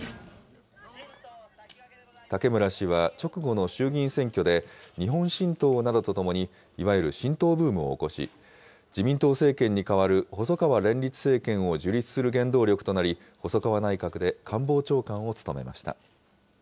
武村氏は直後の衆議院選挙で、日本新党などとともに、いわゆる新党ブームを起こし、自民党政権に代わる細川連立政権を樹立する原動力となり、細川内閣で官房長官を務めました。